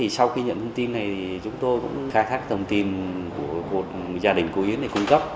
sau khi nhận thông tin này thì chúng tôi cũng khai thác thông tin của một gia đình cô yến này cung cấp